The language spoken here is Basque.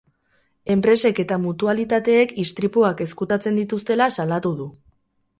Enpresek eta mutualitateek istripuak ezkutatzen dituztela salatu du.